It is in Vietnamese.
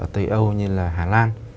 tây âu như là hà lan